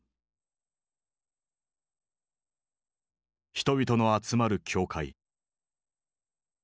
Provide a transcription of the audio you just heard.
人々の集まる教会。